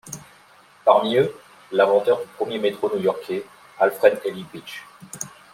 Parmi eux, l’inventeur du premier métro new-yorkais, Alfred Ely Beach.